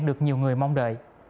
được nhiều người mong đợi